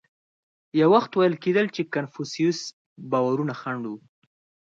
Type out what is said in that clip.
یو وخت ویل کېدل چې کنفوسیوس باورونه خنډ و.